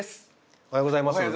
おはようございます。